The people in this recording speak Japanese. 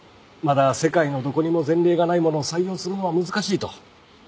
まだ世界のどこにも前例がないものを採用するのは難しいと。